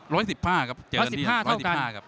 ร้อยสิบห้าครับเจอกันที่ห้าร้อยสิบห้าครับ